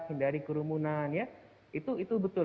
hindari kerumunan ya itu betul